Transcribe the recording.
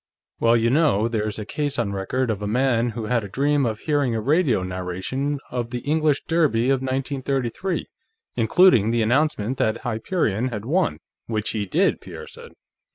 "Well, you know, there's a case on record of a man who had a dream of hearing a radio narration of the English Derby of 1933, including the announcement that Hyperion had won, which he did," Pierre said.